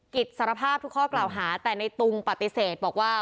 สารภาพทุกข้อกล่าวหาแต่ในตุงปฏิเสธบอกว่า